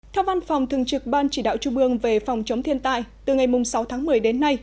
theo văn phòng thường trực ban chỉ đạo trung ương về phòng chống thiên tai từ ngày sáu tháng một mươi đến nay